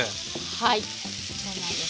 はいそうなんです。